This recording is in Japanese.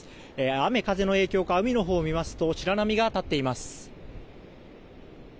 雨風の影響か海のほうを見ますと白波が立っています。